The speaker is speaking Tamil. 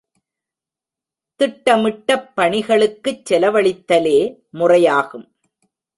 திட்டமிட்டப் பணிகளுக்குச் செலவழித்தலே முறையாகும்.